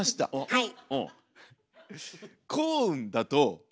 はい。